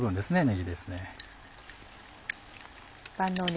ねぎですね。